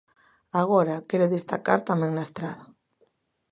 Agora quere destacar tamén na estrada.